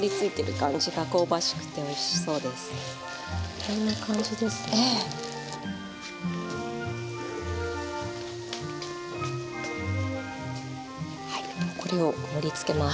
これを盛りつけます。